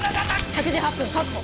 ８時８分確保！